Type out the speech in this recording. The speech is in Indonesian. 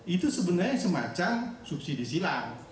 itu sebenarnya semacam subsidi silang